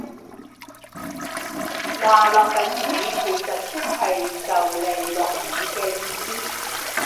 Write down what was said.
話落緊雨其實即係就嚟落雨嘅意思